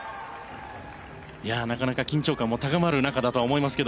なかなか緊張感も高まる中だと思いますが。